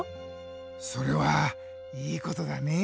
それはいいことだね。